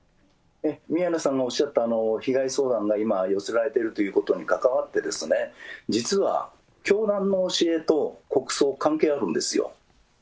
宮根さんのおっしゃった被害相談が今、寄せられているということに関わって、実は、教団の教えと国葬、関係あるんですよ。